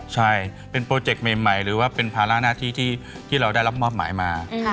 ใช่เป็นโปรเจกต์ใหม่หรือว่าเป็นภาระหน้าที่ที่เราได้รับมอบหมายมา